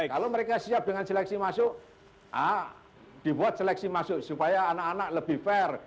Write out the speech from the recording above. kalau mereka siap dengan seleksi masuk dibuat seleksi masuk supaya anak anak lebih fair